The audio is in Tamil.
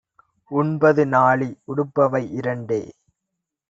உண்பது நாழி; உடுப்பவை இரண்டே